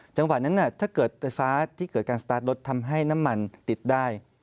จังหวะนั้นถ้าเกิดไฟฟ้าที่เกิดการสตาร์ทรถทำให้น้ำมันติดได้